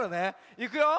いくよ！